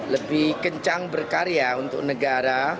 lebih kencang berkarya untuk negara